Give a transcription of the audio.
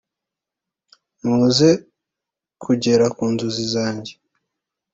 Maze kugera ku nzozi zanjye